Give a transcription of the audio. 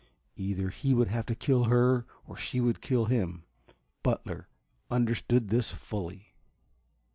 Either he would have to kill her or she would kill him. Butler understood this fully.